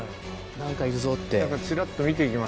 何かいるぞって。